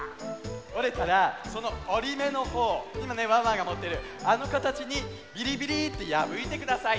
おれたらそのおりめのほういまねワンワンがもってるあのかたちにビリビリってやぶいてください。